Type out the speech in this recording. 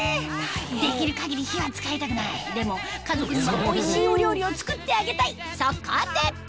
できる限り火は使いたくないでも家族にはおいしいお料理を作ってあげたいそこで！